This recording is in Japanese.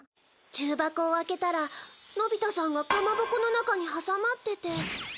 重箱を開けたらのび太さんがカマボコの中に挟まってて。